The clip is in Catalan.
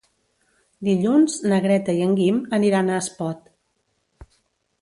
Dilluns na Greta i en Guim aniran a Espot.